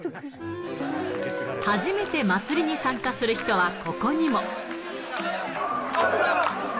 初めて祭りに参加する人はここにも。